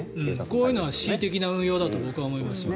こういうのは恣意的な運用だと僕は思います。